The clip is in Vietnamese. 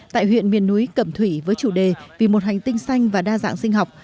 tại huyện miền núi cẩm thủy với chủ đề vì một hành tinh xanh và đa dạng sinh học